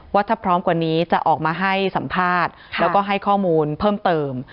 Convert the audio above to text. ว่าถ้าพร้อมกว่านี้จะออกมาให้สัมภาษณ์แล้วก็ให้ข้อมูลเพิ่มเติม